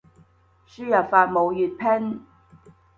輸入法冇粵拼